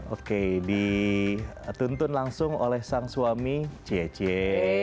oke dituntun langsung oleh sang suami ciecie